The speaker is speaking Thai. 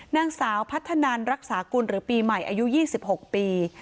นางสาวพัฒนันรักษากุลหรือปีใหม่อายุ๒๖ปี